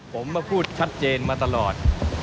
ผมมาพูดชัดเจนมาตลอด